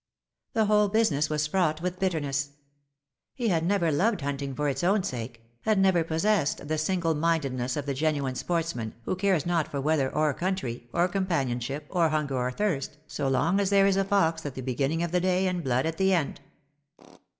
The whole business was fraught with bitterness. He had never loved hunting for its own sake — had never possessed the single mindedness of the genuine sportsman, who cares not for weather or country, or companionship, or hunger or thirst, so long as there is a fox at the beginning of the day and blood at the end.